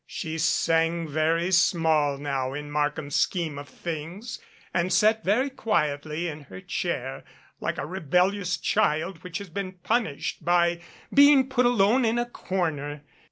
She sang very small now in Markham's scheme of things and sat very quietly in her chair, like a rebellious child which has been punished by being put alone in a corner.